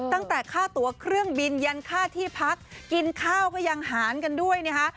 ตั้งแต่ค่าตัวเครื่องบินยันค่าที่พักกินข้าวก็ยังหารกันด้วยนะคะ